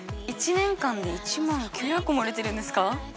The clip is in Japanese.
１年間で１万９００個も売れてるんですか？